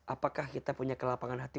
apakah kita punya kelapangan hati